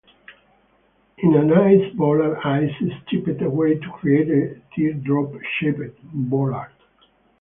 In an ice bollard ice is chipped away to create a teardrop shaped "bollard".